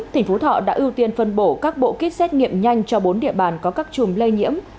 tỉnh phú thọ đã ưu tiên phân bổ các bộ kit xét nghiệm nhanh cho bốn địa bàn có các chùm lây nhiễm